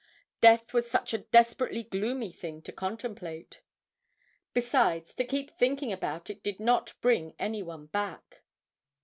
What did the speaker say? Death was such a desperately gloomy thing to contemplate! Besides, to keep thinking about it did not bring any one back.